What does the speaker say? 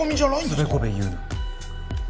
つべこべ言うな。